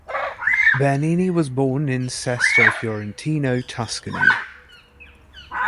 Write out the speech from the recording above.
Bernini was born in Sesto Fiorentino, Tuscany.